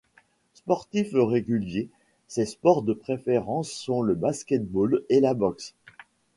Sportif régulier, ses sports de préférence sont le basketball et la boxe.